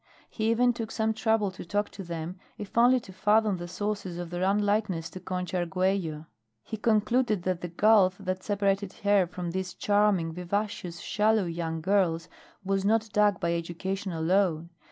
He even took some trouble to talk to them, if only to fathom the sources of their unlikeness to Concha Arguello. He concluded that the gulf that separated her from these charming, vivacious, shallow young girls was not dug by education alone.